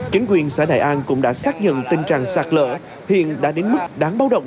chính quyền xã đại an cũng đã xác nhận tình trạng sạt lỡ hiện đã đến mức đáng báo động